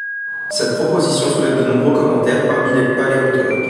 Cette proposition soulève de nombreux commentaires parmi les paléontologues.